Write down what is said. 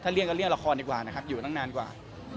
เลี่ยก็เรียกละครดีกว่านะครับอยู่ตั้งนานกว่า